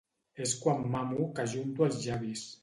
És quan mamo que ajunto els llavis.